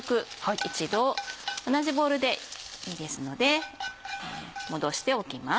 一度同じボウルでいいですので戻しておきます。